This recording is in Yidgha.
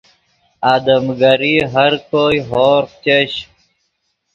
آدم گری ہر کوئے ہورغ چش